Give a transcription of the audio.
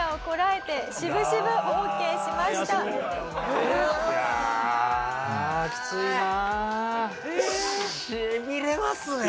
しびれますね。